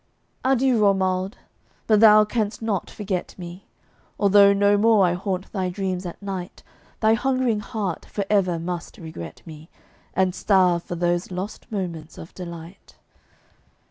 Adieu, Romauld! But thou canst not forget me. Although no more I haunt thy dreams at night, Thy hungering heart forever must regret me, And starve for those lost moments of delight.